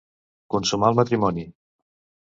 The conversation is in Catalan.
Consumar el matrimoni.